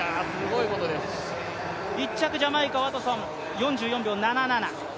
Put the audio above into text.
１着、ジャマイカワトソン４４秒７７。